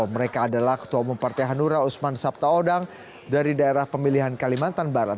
mereka adalah ketua umum partai hanura usman sabtaodang dari daerah pemilihan kalimantan barat